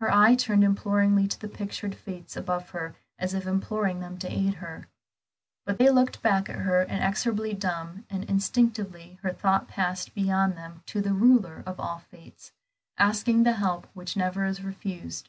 Her eye turned imploringly to the pictured Fates above her as if imploring them to aid her. But they looked back at her inexorably dumb, and instinctively her thought passed beyond them to the Ruler of all fates, asking the help which never is refused.